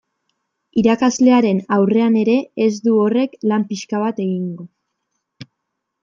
Irakaslearen aurrean ere ez du horrek lan pixka bat egingo.